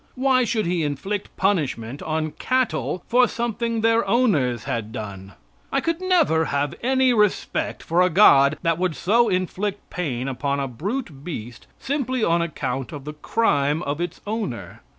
Why should he inflict punishment on cattle for something their owners had done? I could never have any respect for a God that would so inflict pain upon a brute beast simply on account of the crime of its owner.